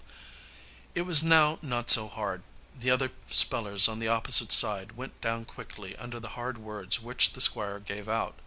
It was now not so hard. The other spellers on the opposite side went down quickly under the hard words which the Squire gave out.